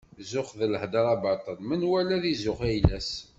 Zzux d lhedra baṭel, menwala ad izuxx ayla-s.